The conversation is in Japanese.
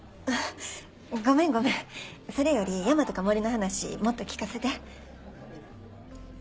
ごめんごめんそれより山とか森の話もっと聞かせて。